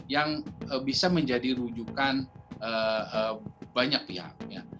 yang bisa menjadi rujukan banyak pihak